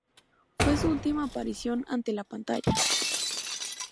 Fue su última aparición ante la pantalla.